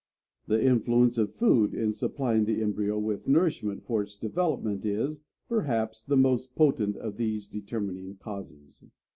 The influence of food in supplying the embryo with nourishment for its development is, perhaps, the most potent of these determining causes."